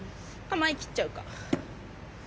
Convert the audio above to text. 前、切っちゃうか。